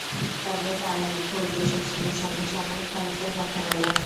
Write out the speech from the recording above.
তবে তার মুখ্য উদ্দেশ্য ছিল সমসাময়িক ভারতের কথা বলা।